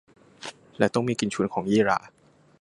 และต้องมีกลิ่นฉุนของยี่หร่า